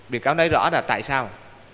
bị cáo nói rõ là tại sao